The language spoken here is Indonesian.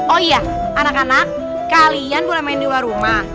oh iya anak anak kalian boleh main di luar rumah